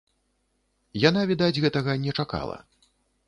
Яна, відаць, гэтага не чакала.